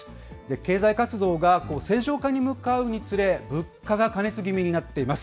経済活動が正常化に向かうにつれ、物価が過熱気味になっています。